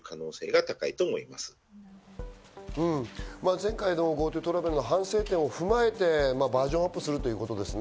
前回のＧｏＴｏトラベルの反省点を踏まえてバージョンアップするということですね。